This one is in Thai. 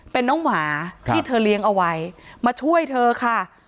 เป็นน้องหมาที่เธอเลี้ยงเอาไว้มาช่วยเธอค่ะ